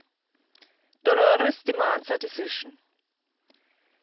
DOLORES DEMANDS A DECISION.